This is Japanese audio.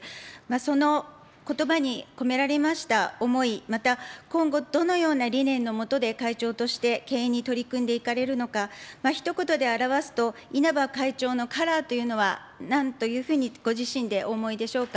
そのことばに込められました思い、また今後、どのような理念の下で会長として経営に取り組んでいかれるのか、ひと言で表すと、稲葉会長のカラーというのはなんというふうにご自身でお思いでしょうか。